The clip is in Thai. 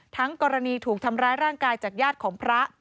กรณีถูกทำร้ายร่างกายจากญาติของพระ